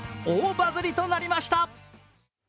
大バズりとなりました。